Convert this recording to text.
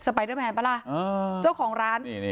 สไปเดอร์แมนป่าล่ะโอ้โหเจ้าของร้านนี่นี่